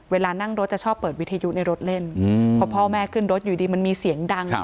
เวลานั่งรถจะชอบเปิดวิทยุในรถเล่นพอพ่อแม่ขึ้นรถอยู่ดีมันมีเสียงดัง